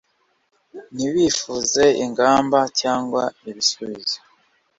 ntibifuze ingamba cyangwa ibisubizo,